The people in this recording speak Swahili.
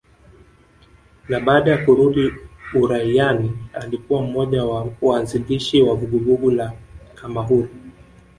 Na baada ya kurudi uraiani alikuwa mmoja wa waanzilishi wa vuguvugu la kamahuru